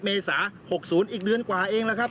เมษา๖๐อีกเดือนกว่าเองแล้วครับ